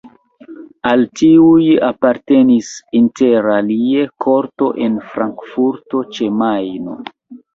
Al tiuj apartenis inter alie korto en Frankfurto ĉe Majno.